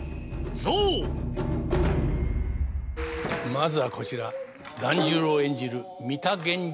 まずはこちら團十郎演じる箕田源二